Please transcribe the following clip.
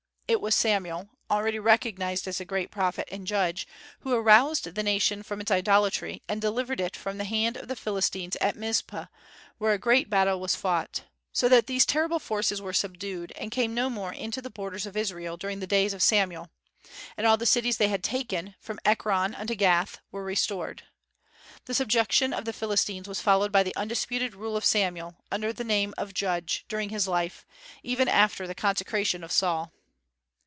It was Samuel, already recognized as a great prophet and judge, who aroused the nation from its idolatry and delivered it from the hand of the Philistines at Mizpeh, where a great battle was fought, so that these terrible foes were subdued, and came no more into the borders of Israel during the days of Samuel; and all the cities they had taken, from Ekron unto Gath, were restored. The subjection of the Philistines was followed by the undisputed rule of Samuel, under the name of Judge, during his life, even after the consecration of Saul.